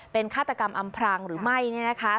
เป็นฆาตกรรมอำพรางหรือไม่เนี่ยนะคะ